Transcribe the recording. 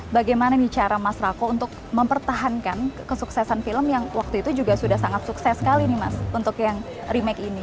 bagaimana nih cara mas rako untuk mempertahankan kesuksesan film yang waktu itu juga sudah sangat sukses sekali nih mas untuk yang remake ini